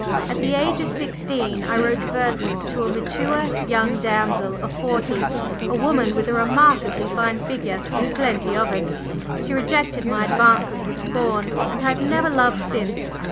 At the age of sixteen I wrote verses to a mature young damsel of forty, a woman with a remarkably fine figure and plenty of it; she rejected my advances with scorn, and I have never loved since!"